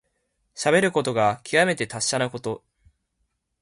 しゃべることがきわめて達者なこと。